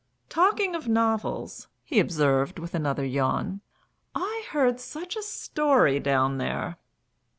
"Talking of novels," he observed, with another yawn, "I heard such a story down there!"